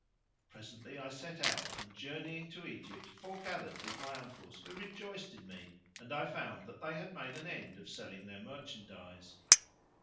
Presently I set out and, journeying to Egypt, foregathered with my uncles who rejoiced in me, and I found that they had made an end of selling their merchandise.